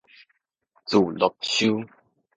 自樂岫